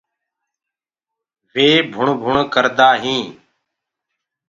وي ڀمڀڻيونٚ پڙدآ هينٚ۔